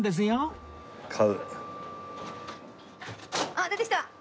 「かう」あっ出てきた！